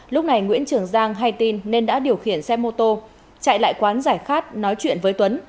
lúc này nguyễn trường giang hay tin nên đã điều khiển xe mô tô chạy lại quán giải khát nói chuyện với tuấn